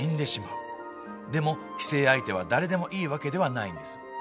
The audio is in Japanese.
でも寄生相手は誰でもいいわけではないんです。